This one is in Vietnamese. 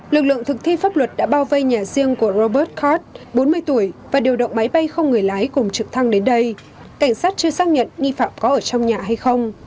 lực lượng thực thi pháp luật đã bao vây nhà riêng của robert card bốn mươi tuổi và điều động máy bay không người lái cùng trực thăng đến đây cảnh sát chưa xác nhận nghi phạm có ở trong nhà hay không